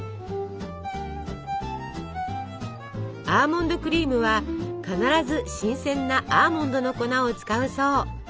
アーモンドクリームは必ず新鮮なアーモンドの粉を使うそう。